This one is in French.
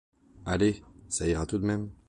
Allez, ça ira tout de même.